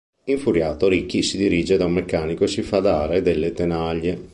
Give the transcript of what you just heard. Infuriato, Rickie si dirige da un meccanico e si fa dare delle tenaglie.